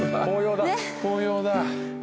紅葉だ。